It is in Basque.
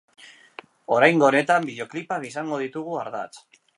Oraingo honetan bideoklipak izango ditugu ardatz.